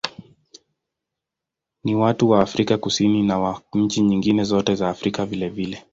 Ni wa watu wa Afrika Kusini na wa nchi nyingine zote za Afrika vilevile.